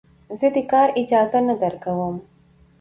زه دې کار اجازه نه درکوم.